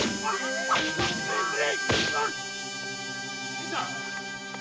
新さん！